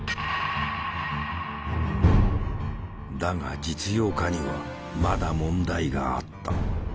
だが実用化にはまだ問題があった。